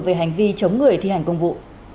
về hành vi chống người thi hành công vụ